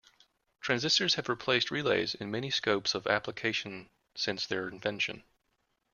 Transistors have replaced relays in many scopes of application since their invention.